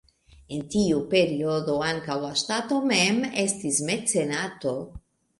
En tiu periodo ankaŭ la ŝtato mem estis mecenato.